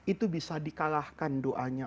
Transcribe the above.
itu bisa di kalahkan doanya